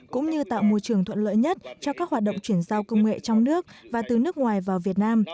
cũng như tạo môi trường thuận lợi nhất cho các hoạt động chuyển giao công nghệ trong nước và từ nước ngoài vào việt nam